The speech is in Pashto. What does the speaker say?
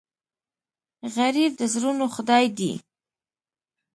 غریب د زړونو خدای دی